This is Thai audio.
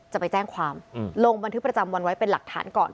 จะไปแจ้งความลงบันทึกประจำวันไว้เป็นหลักฐานก่อน